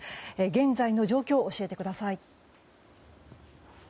現在の状況を教えてください。